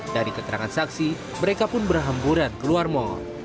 dari keterangan saksi mereka pun berhamburan keluar mal